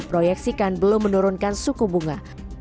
pastikan belum menurunkan suku bunga